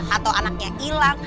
atau anaknya hilang